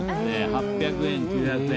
８００円とか９００円。